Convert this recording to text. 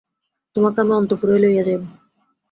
তোমাকে আমি অন্তঃপুরেই লইয়া যাইব।